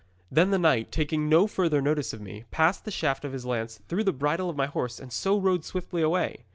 'Then the knight, taking no further notice of me, passed the shaft of his lance through the bridle of my horse, and so rode swiftly away.